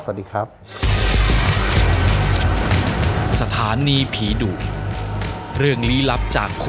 สวัสดีครับ